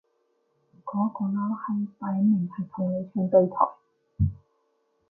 嗰個撈閪擺明係同你唱對台